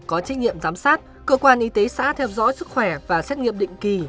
có trách nhiệm giám sát cơ quan y tế xã theo dõi sức khỏe và xét nghiệm định kỳ